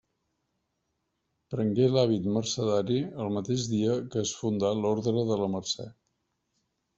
Prengué l'hàbit mercedari el mateix dia que es fundà l'Orde de la Mercè.